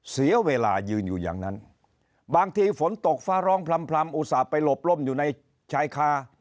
เสียเวลายืนอยู่อย่างนั้นบางทีฝนตกฟ้าร้องพร่ำอุตส่าห์ไปหลบล่มอยู่ในชายคา